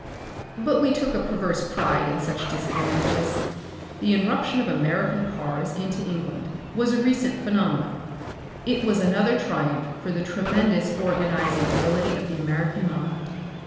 But we took a perverse pride in such disadvantages. The irruption of American cars into England was a recent phenomenon, it was another triumph for the tremendous organising ability of the American mind.